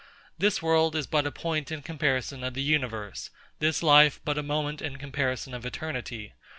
This world is but a point in comparison of the universe; this life but a moment in comparison of eternity.